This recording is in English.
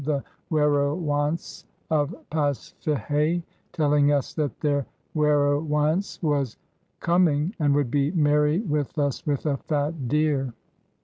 the Werowance of Paspihe, telling us that their Werowance was comming and would be merry with us with a fat Deere.